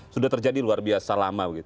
sudah terjadi luar biasa lama